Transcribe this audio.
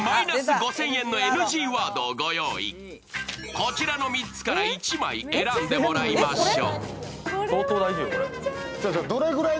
こちらの３つから１枚選んでもらいましょう。